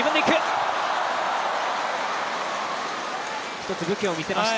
１つ武器を見せました。